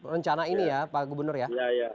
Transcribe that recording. rencana ini ya pak gubernur ya